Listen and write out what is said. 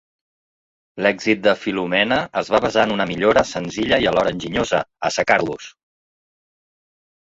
L'èxit de Filomena es va basar en una millora senzilla i alhora enginyosa: assecar-los.